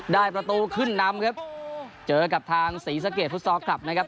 ได้ประตูขึ้นนำครับเจอกับทางศรีสะเกดฟุตซอลคลับนะครับ